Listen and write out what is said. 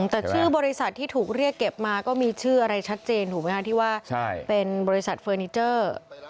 แต่ชื่อบริษัทที่ถูกเรียกเก็บมาก็มีชื่ออะไรชัดเจนถูกไหมคะที่ว่าเป็นบริษัทเฟอร์นิเจอร์